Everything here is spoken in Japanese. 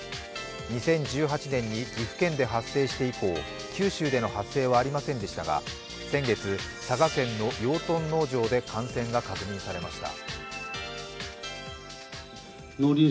２０１８年に岐阜県で発生して以降、九州での発生はありませんでしたが先月、佐賀県の養豚農場で感染が確認されました。